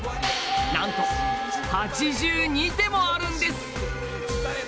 何と、８２手もあるんです。